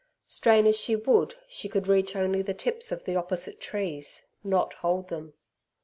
Strain as she would, she could reach only the tips of the opposite trees, not hold them.